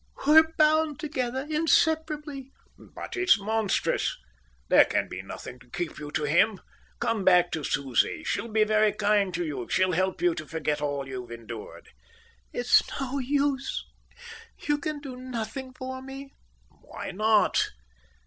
We're bound together inseparably." "But it's monstrous. There can be nothing to keep you to him. Come back to Susie. She'll be very kind to you; she'll help you to forget all you've endured." "It's no use. You can do nothing for me." "Why not?"